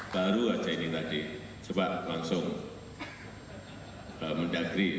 baru saja ini tadi sepak langsung mendagri